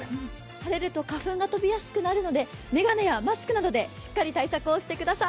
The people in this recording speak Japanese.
晴れると花粉が飛びやすくなるので眼鏡やマスクなどでしっかり対策をしてください。